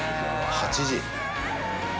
８時。